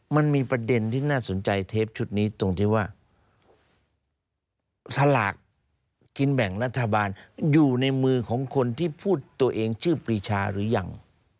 มันมีประเด็นที่น่าสนใจเทปชุดนี้ตรงที่ว่าสลากกินแบ่งรัฐบาลอยู่ในมือของคนที่พูดตัวเองชื่อปรีชาหรือยัง